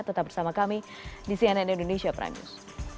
tetap bersama kami di cnn indonesia prime news